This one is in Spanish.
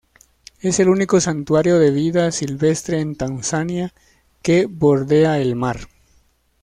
Es el único santuario de vida silvestre en Tanzania que bordea el mar.